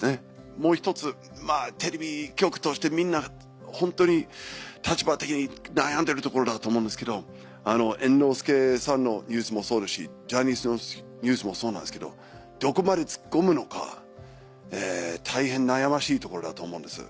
もう１つテレビ局としてみんなホントに立場的に悩んでるところだと思うんですけど猿之助さんのニュースもそうですしジャニーズのニュースもそうなんですけどどこまで突っ込むのか大変悩ましいところだと思うんです。